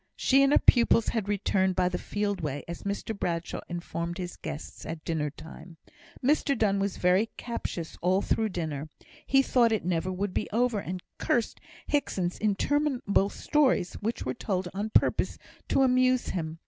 She and her pupils had returned by the field way, as Mr Bradshaw informed his guests at dinner time. Mr Donne was very captious all through dinner. He thought it would never be over, and cursed Hickson's interminable stories, which were told on purpose to amuse him.